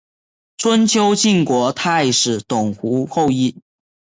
春秋晋国太史董狐后裔。